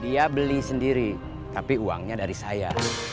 dia beli sendiri tapi uangnya dari saya